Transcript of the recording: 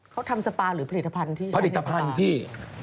เขาทำสปาหรือผลิตภัณฑ์ที่ผลิตภัณฑ์พี่